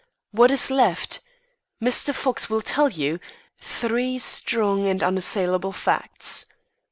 What is left? Mr. Fox will tell you three strong and unassailable facts.